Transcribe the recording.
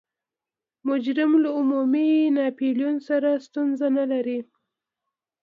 مجرم له عمومي ناپلیون سره ستونزه نلري.